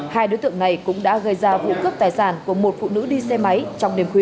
hai đối tượng này cũng đã gây ra vụ cướp tài sản của một phụ nữ đi xe máy trong đêm khuya